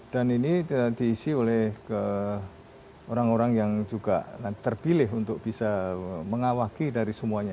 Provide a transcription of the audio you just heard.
dan ini diisi oleh orang orang yang juga terpilih untuk bisa mengawaki dari sdm